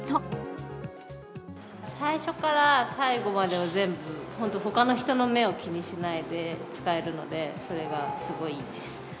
最初から最後までを全部、本当ほかの人の目を気にしないで使えるので、それがすごいいいです。